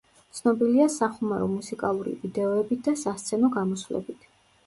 ცნობილია სახუმარო მუსიკალური ვიდეოებით და სასცენო გამოსვლებით.